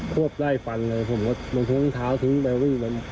วบไล่ฟันเลยผมก็มันทิ้งเท้าทิ้งไปวิ่งไป